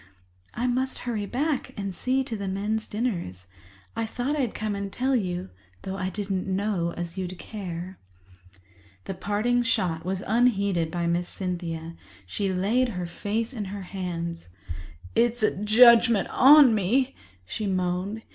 "I must hurry back and see to the men's dinners. I thought I'd come and tell you, though I didn't know as you'd care." This parting shot was unheeded by Miss Cynthia. She laid her face in her hands. "It's a judgement on me," she moaned.